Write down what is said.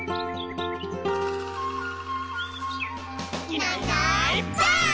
「いないいないばあっ！」